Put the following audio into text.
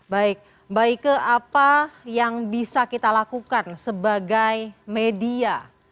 baik mbak ike apa yang bisa kita lakukan sebagai media